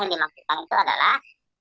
yang dimaksudkan itu adalah